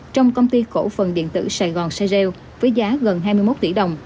trong công ty cổ phần điện tử sài gòn seo với giá gần hai mươi một tỷ đồng